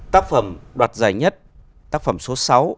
tác phẩm đoạt giải nhất tác phẩm số sáu